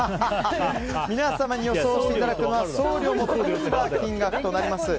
皆様に予想していただくのは送料も含んだ金額となります。